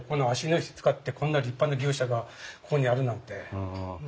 芦野石使ってこんな立派な牛舎がここにあるなんて。